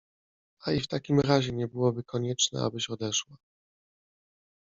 A i w takim razie nie byłoby konieczne, abyś odeszła…